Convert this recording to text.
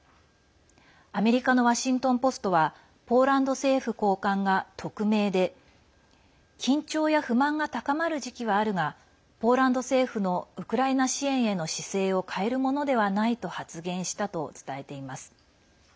アメリカのワシントン・ポストはポーランド政府高官が匿名で緊張や不満が高まる時期はあるがポーランド政府のウクライナ支援への姿勢を変えるものではないと発言したと伝えています。